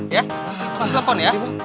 ya langsung telepon ya